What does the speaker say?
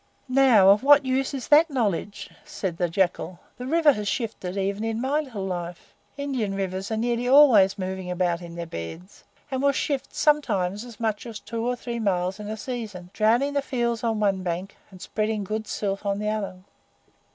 "Now, of what use is that knowledge?" said the Jackal. "The river has shifted even in my little life." Indian rivers are nearly always moving about in their beds, and will shift, sometimes, as much as two or three miles in a season, drowning the fields on one bank, and spreading good silt on the other.